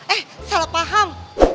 eh salah paham